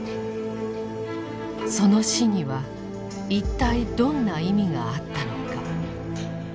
その死にはいったいどんな意味があったのか。